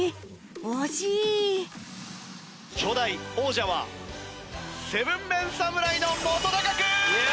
惜しい初代王者は ７ＭＥＮ 侍の本君！